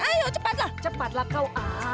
ayo cepatlah cepatlah kau